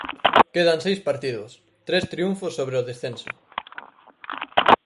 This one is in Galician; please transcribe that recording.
Quedan seis partidos, tres triunfos sobre o descenso.